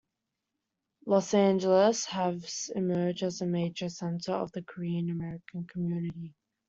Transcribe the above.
Los Angeles has emerged as a major center of the Korean American community.